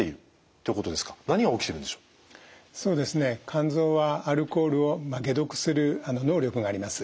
肝臓はアルコールを解毒する能力があります。